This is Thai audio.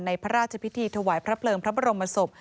พระราชพิธีถวายพระเพลิงพระบรมศพ